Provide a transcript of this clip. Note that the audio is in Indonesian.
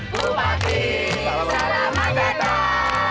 bupati selamat datang